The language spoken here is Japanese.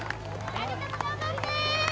・２人とも頑張って！